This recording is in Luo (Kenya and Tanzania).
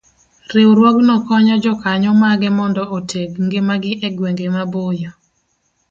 Riwruogno konyo jokanyo mage mondo oteg ngimagi e gwenge maboyo